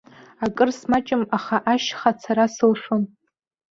Акыр смаҷын, аха ашьха ацара сылшон.